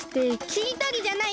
しりとりじゃない！